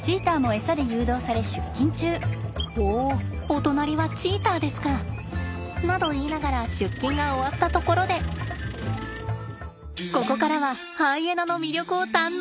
おっお隣はチーターですか。など言いながら出勤が終わったところでここからはハイエナの魅力を堪能！